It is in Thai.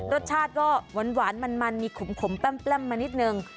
รสชาติก็หวานมันมีขมแป้มมานิดนึง